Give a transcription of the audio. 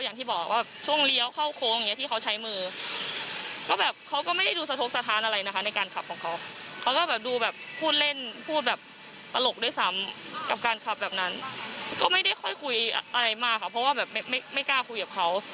ไม่ได้ค่อยคุยอะไรมาค่ะเพราะว่าแบบไม่ไม่กล้าคุยกับเขา